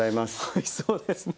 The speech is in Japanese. おいしそうですね。